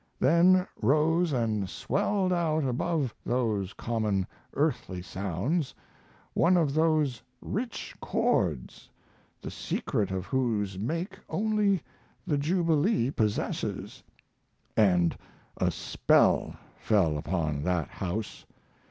Then rose & swelled out above those common earthly sounds one of those rich chords, the secret of whose make only the jubilees possess, & a spell fell upon that house.